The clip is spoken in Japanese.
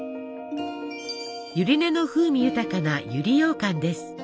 ゆり根の風味豊かな百合ようかんです。